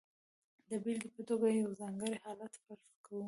د بېلګې په توګه یو ځانګړی حالت فرض کوو.